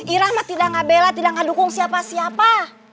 ih rahmat tidak mengberi dukung siapa siapa